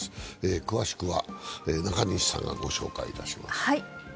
詳しくは中西さんがご紹介いたします。